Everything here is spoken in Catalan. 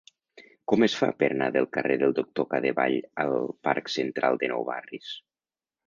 Com es fa per anar del carrer del Doctor Cadevall al parc Central de Nou Barris?